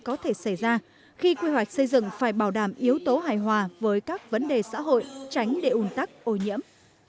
có thể xảy ra khi quy hoạch xây dựng phải bảo đảm yếu tố hài hòa với các vấn đề xã hội tránh để un tắc ô nhiễm